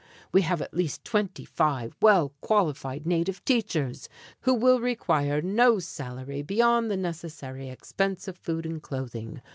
"We have at least twenty five well qualified native teachers, who will require no salary beyond the necessary expense of food and clothing.